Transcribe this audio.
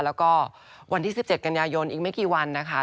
แล้วก็วันที่๑๗กันยายนอีกไม่กี่วันนะคะ